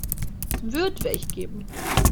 Es wird welche geben.